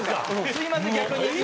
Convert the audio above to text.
すみません逆に。